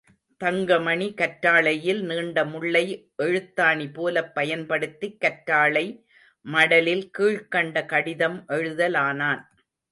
தங்கமணி கற்றாழையில் நீண்ட முள்ளை எழுத்தாணி போலப் பயன்படுத்திக் கற்றாழை மடலில் கீழ்க்கண்ட கடிதம் எழுதலானான்.